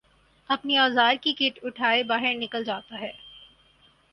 اپنے اوزار کی کٹ اٹھائے باہر نکل جاتا ہے